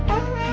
oh keki baru tau